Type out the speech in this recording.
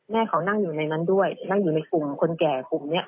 แม่เขานั่งอยู่ในนั้นด้วยนั่งอยู่ในกลุ่มคนแก่กลุ่มนี้